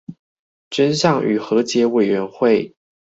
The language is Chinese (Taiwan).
真相與和解委員會